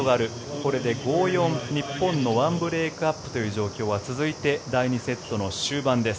これで５−４日本の１ブレークアップという状況は続いて第２セットの終盤です。